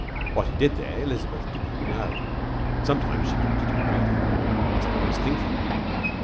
What he did there Elizabeth did not know. Sometimes she pictured him reading, sometimes thinking.